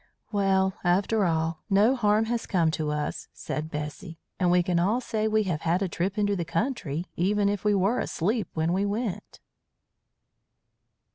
"Well, after all, no harm has come to us," said Bessy, "and we can all say we have had a trip into the country, even if we were asleep when we went."